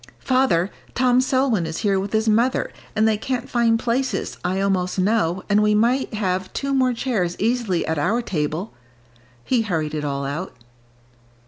"Father, Tom Selwyn is here with his mother, and they can't find places, I almost know, and we might have two more chairs easily at our table," he hurried it all out.